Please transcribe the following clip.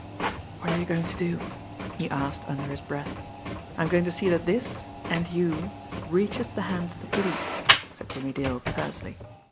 "What are you going to do?" he asked under his breath. "I'm going to see that this and you reaches the hands of the police," said Jimmie Dale tersely.